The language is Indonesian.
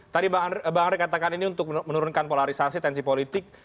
tadi bang ray katakan ini untuk menurunkan polarisasi tensi politik